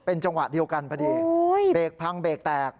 จังหวะเดียวกันพอดีเบรกพังเบรกแตก